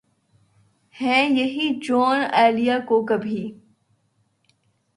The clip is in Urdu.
ہیں یہی جونؔ ایلیا جو کبھی